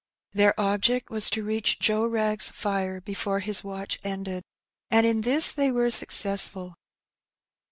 Their object was to reach Joe Wrag's fire before his watch ended, and in this they were successful.